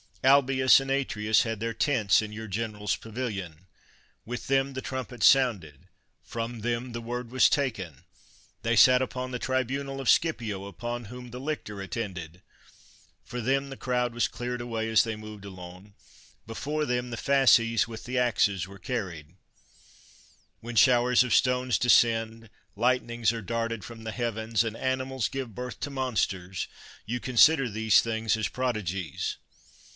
Albius and Atrius had their tents in your general's pavilion. With them the trumpet sounded, from them the word was taken; they sat upon the tribunal of Scipio, upon whom the lictor attended; for them the crowd 25 THE WORLD'S FAMOUS ORATIONS was cleared away as they moved along, before them the fasces with the axes were carried. When showers of stones descend, lightnings are darted from the heavens, and animals give birth to monsters, you consider these things as prodigies.